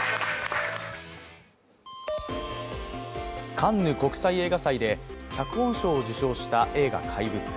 カンヌ国際映画祭で脚本賞を受賞した映画「怪物」。